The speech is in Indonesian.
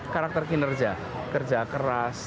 karakter kinerja kerja keras